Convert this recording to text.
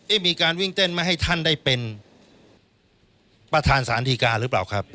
มีการวิ่งเต้นไม่ให้ท่านได้เป็นประธานสารดีการหรือเปล่าครับ